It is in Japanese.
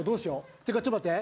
てかちょ待って。